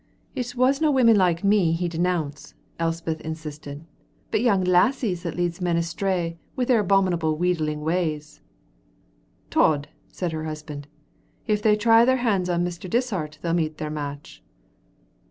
"It wasna women like me he denounced," Elspeth insisted, "but young lassies that leads men astray wi' their abominable wheedling ways." "Tod," said her husband, "if they try their hands on Mr. Dishart they'll meet their match."